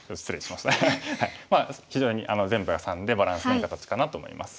まあ非常に全部が３でバランスのいい形かなと思います。